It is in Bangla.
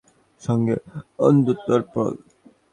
সঙ্গে অনন্ত আর পরাণ।